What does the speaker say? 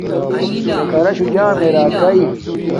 چاکراشوہ جامیے راکاݵ